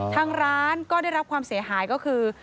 ทางร้านก็ได้รับความเสียหายก็คือ